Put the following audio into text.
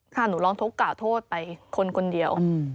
ค่ะหนูลองทกก่าโทษไปคนคนเดียว